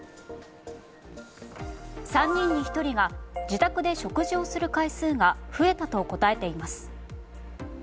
３人に１人が自宅で食事をする回数が増えたと答えています。